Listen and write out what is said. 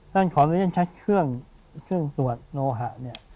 ท่านขอเรียกชัดเครื่องเครื่องสวดโลหะเนี่ย